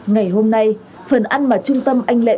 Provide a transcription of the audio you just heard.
ngày hôm nay phần ăn mà trung tâm anh lễ